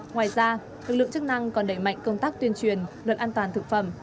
ngoài ra lực lượng chức năng còn đẩy mạnh công tác tuyên truyền luật an toàn thực phẩm